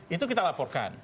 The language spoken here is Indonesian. itu kita laporkan